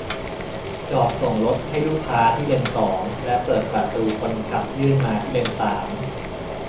จอดส่งรถให้ลูกค้าที่เลนสอง และเปิดประตูคนขับยื่นมาที่เลนสาม !